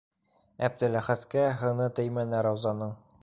Әптеләхәткә һыны теймәне Раузаның.